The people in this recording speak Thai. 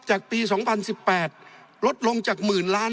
จากปี๒๐๑๘ลดลงจาก๑๐๐๐๐๐๐๐ล้าน